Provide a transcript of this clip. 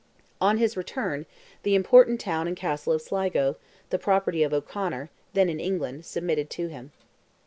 On his return, the important town and castle of Sligo, the property of O'Conor, then in England, submitted to him.